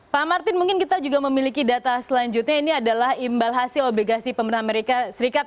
pak martin mungkin kita juga memiliki data selanjutnya ini adalah imbal hasil obligasi pemerintah amerika serikat